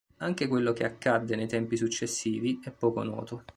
Anche quel che accadde nei tempi successivi è poco noto.